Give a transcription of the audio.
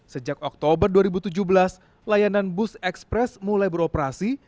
sejak oktober dua ribu tujuh belas layanan bus ekspres mulai beroperasi